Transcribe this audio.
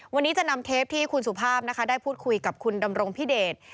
วันนี้จะนำเทปที่คุณสุภาพนะคะได้พูดคุยกับคุณดำรงพิเดช